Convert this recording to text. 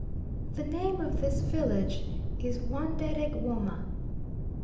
The name of this village is Wanderegwoma.